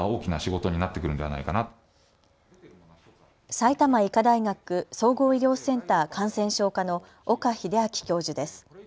埼玉医科大学総合医療センター感染症科の岡秀昭教授です。